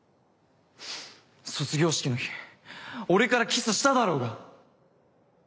卒業式の日俺からキスしただろうが。